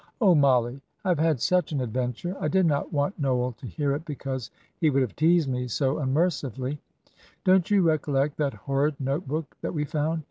"Oh, Mollie, I have had such an adventure; I did not want Noel to hear it, because he would have teased me so unmercifully. Don't you recollect that horrid note book that we found?"